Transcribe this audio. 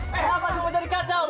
kenapa semua jadi kacau